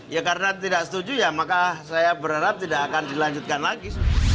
ya karena tidak setuju ya maka saya berharap tidak akan dilanjutkan lagi